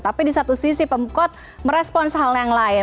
tapi di satu sisi pemkot merespons hal yang lain